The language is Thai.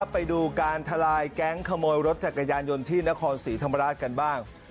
ไปดูการทลายแก๊งขโมยรถจักรยานยนต์ที่นครศรีธรรมราชกันบ้าง